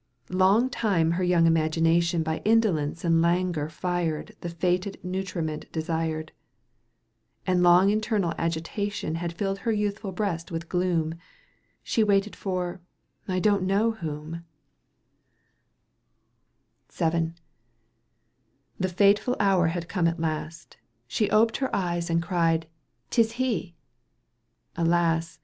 Long time her young imagination By indolence and languor fired The fated nutriment desired ; And long internal agitation Had filled her youthful breast with gloom. She waited for — I don't know whom 1 Digitized by CjOOQ 1С СА2Ш) т. EUGENE ON^GUINR 69 VII. The fatal hour had come at last — She oped her eyes and cried : 'tis he ! Alas